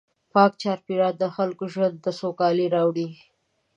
پاک چاپېریال د خلکو ژوند ته سوکالي راوړي.